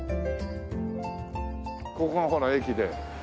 ここがほら駅で。